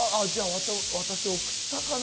私、送ったかな？